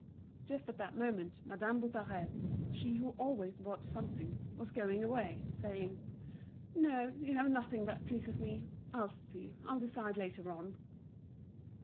Just at that moment, Madame Boutarel, she who always bought something, was going away, saying: "No, you have nothing that pleases me. I'll see, I'll decide later on."